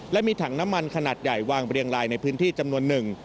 และมีถังน้ำมันขนาดใหญ่วางเรียงลายในพื้นที่จำนวนหนึ่ง